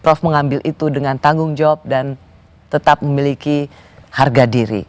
prof mengambil itu dengan tanggung jawab dan tetap memiliki harga diri